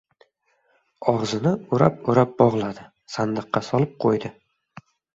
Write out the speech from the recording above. Og‘zini o‘rab-o‘rab bog‘ladi. Sandiqqa solib qo‘ydi.